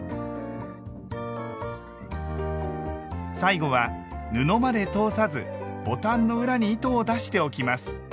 最後は布まで通さずボタンの裏に糸を出しておきます。